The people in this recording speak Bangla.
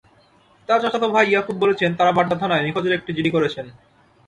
তাঁর চাচাতো ভাই ইয়াকুব বলেছেন, তাঁরা বাড্ডা থানায় নিখোঁজের একটি জিডি করেছেন।